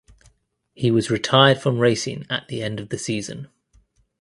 He was retired from racing at the end of the season.